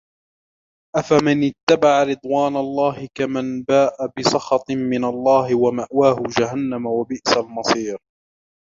أَفَمَنِ اتَّبَعَ رِضْوَانَ اللَّهِ كَمَنْ بَاءَ بِسَخَطٍ مِنَ اللَّهِ وَمَأْوَاهُ جَهَنَّمُ وَبِئْسَ الْمَصِيرُ